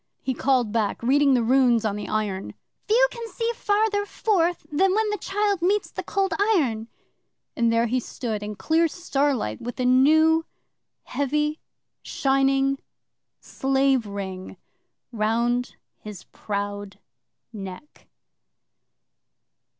'He called back, reading the runes on the iron: "Few can see Further forth Than when the child Meets the Cold Iron." And there he stood, in clear starlight, with a new, heavy, shining slave ring round his proud neck.